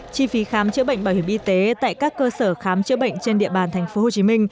chi phí khám chữa bệnh bảo hiểm y tế tại các cơ sở khám chữa bệnh trên địa bàn tp hcm